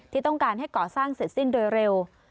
ที่ต้องการให้ก่อสร้างเสร็จสิ้นโดยเร็ว